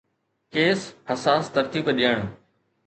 ڪيس-حساس ترتيب ڏيڻ